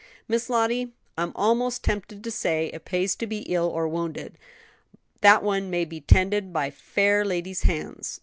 "Miss Lottie, I'm almost tempted to say it pays to be ill or wounded, that one may be tended by fair ladies' hands."